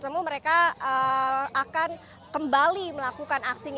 mereka akan kembali melakukan aksi